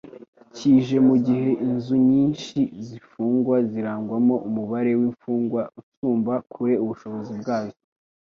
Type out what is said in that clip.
kije mu gihe inzu nyinshi z'imfungwa zirangwamo umubare w'imfungwa usumba kure ubushobozi bwazo.